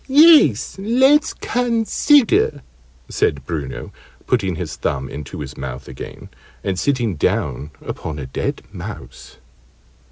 "Yes, let's consider," said Bruno, putting his thumb into his mouth again, and sitting down upon a dead mouse.